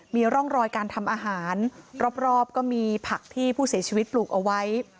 มีร่องรอยการทำอาหารรอบก็มีผักที่ผู้เสียชีวิตปลูกเอาไว้